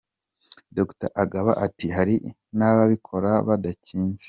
Dr Agaba ati “Hari n’ ababikora badakinze.